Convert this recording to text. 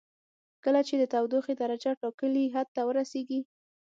کله چې د تودوخې درجه ټاکلي حد ته ورسیږي.